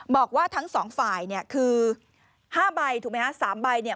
บอกว่าทั้งสองฝ่ายเนี่ยคือ๕ใบถูกไหมฮะ๓ใบเนี่ย